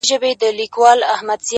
څلوريځه”